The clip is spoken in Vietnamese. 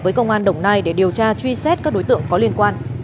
với công an đồng nai để điều tra truy xét các đối tượng có liên quan